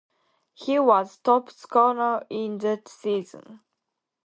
He was top scorer in that season.